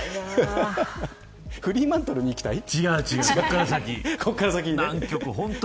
フリーマントルに行きたい。